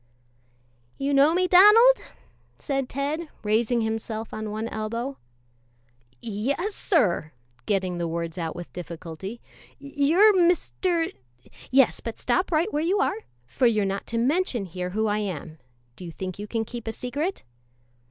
"You know me, Donald?" said Ted, raising himself on one elbow. "Yes, sir," getting the words out with difficulty; "you're Mr. " "Yes, but stop right where you are, for you're not to mention here who I am. Do you think you can keep a secret?"